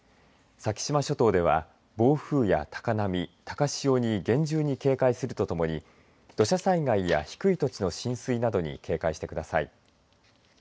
先島諸島では暴風や高波高潮に厳重に警戒するとともに土砂災害や低い土地の浸水などに警戒してください。